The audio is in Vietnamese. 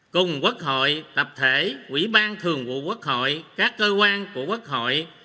cùng quốc hội tập thể quỹ ban thường vụ quốc hội các cơ quan của quốc hội